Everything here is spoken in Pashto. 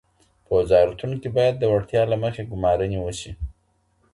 په وزارتونو کي باید د وړتیا له مخې ګمارنې وشي.